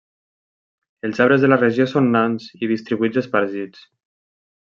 Els arbres de la regió són nans i distribuïts espargits.